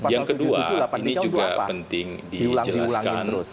yang kedua ini juga penting dijelaskan